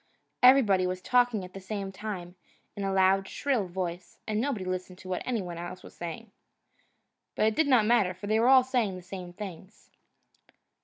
Everybody was talking at the same time, in a loud, shrill voice, and nobody listened to what anybody else was saying. But it did not matter, for they all said the same things.